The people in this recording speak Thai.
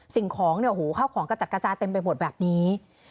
สิ่งของเนี่ยโอ้โหข้าวของกระจัดกระจายเต็มไปหมดแบบนี้